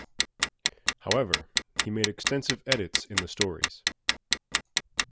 However, he made extensive edits in the stories.